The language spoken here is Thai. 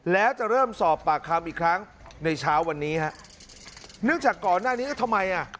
แล้วจะเริ่มสอบปากคำอีกครั้งในเช้าวันนี้ฮะเนื่องจากก่อนหน้านี้ทำไมอ่ะ